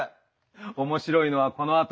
面白いのはこのあと。